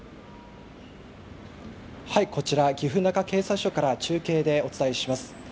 こちら、岐阜中警察署前から中継でお伝えします。